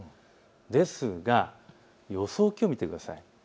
ですが予想気温を見てください。